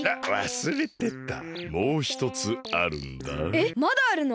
えっまだあるの？